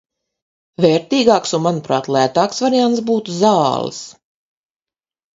Vērtīgāks un manuprāt lētāks variants būtu zāles.